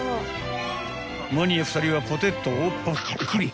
［マニア２人はポテトをぱっくり］